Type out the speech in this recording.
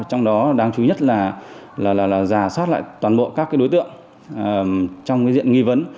trong đó đáng chú ý nhất là giả soát lại toàn bộ các đối tượng trong diện nghi vấn